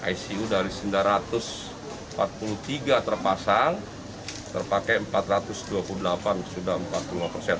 icu dari sembilan ratus empat puluh tiga terpasang terpakai empat ratus dua puluh delapan sudah empat puluh lima persen